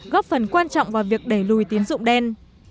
góp phần quan trọng vào việc đẩy lùi tín dụng đen